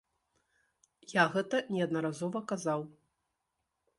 Я гэта неаднаразова казаў.